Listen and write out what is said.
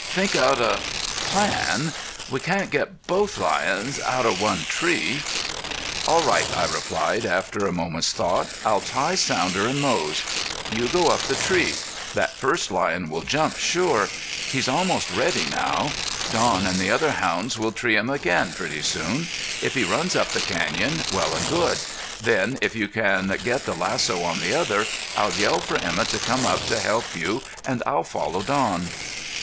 Think out a plan. We can't get both lions out of one tree." "All right," I replied, after a moment's thought. "I'll tie Sounder and Moze. You go up the tree. That first lion will jump, sure; he's almost ready now. Don and the other hounds will tree him again pretty soon. If he runs up the canyon, well and good. Then, if you can get the lasso on the other, I'll yell for Emett to come up to help you, and I'll follow Don."